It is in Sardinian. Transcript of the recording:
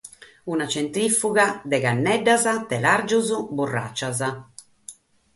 Una tzentrìfuga de canneddas, telàrgios, burratzas.